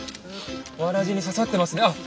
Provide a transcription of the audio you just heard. わらじに刺さってますあっ